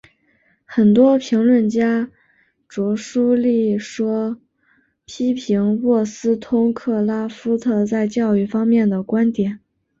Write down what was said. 很多评论家着书立说批评沃斯通克拉夫特在教育方面的观点。